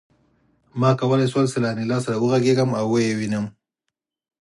ما کولای شول چې له انیلا سره وغږېږم او ویې وینم